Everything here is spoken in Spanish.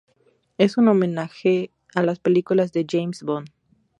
Es un homenaje a las películas de James Bond.